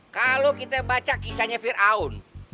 kalau kita baca kisahnya fir'aun